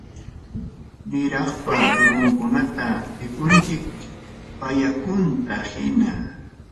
Hukniraqpa rurunkunata mikunchik, bayakunta hina.